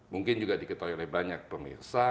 mungkin juga diketahui oleh banyak pemirsa